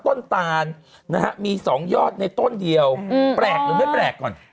ตานนะฮะมี๒ยอดในต้นเดียวแปลกหรือไม่แปลกก่อน